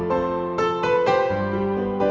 yaudah gue langsung cabut ya